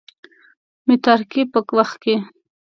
متارکې په وخت کې.